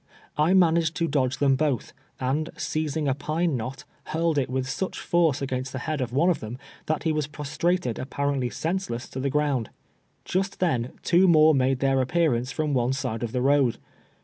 I managed to dodge them hotli, and seizing a pine knot, hnrled it with such force against the head of one of them that he was prostrated apparently senseless to the ground. Just then two more made their appearance from one side of the road.